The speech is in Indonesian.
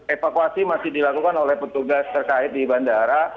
evakuasi masih dilakukan oleh petugas terkait di bandara